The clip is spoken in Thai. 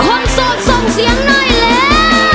คนโสดส่งเสียงหน่อยเลย